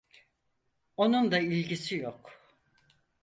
Onunla ilgisi yok.